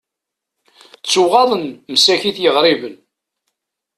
Ttuɣaḍen msakit yiɣriben.